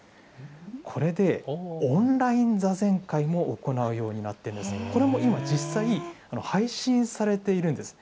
これでオンライン座禅会も行うようになって、これも今、実際、配信されているんです。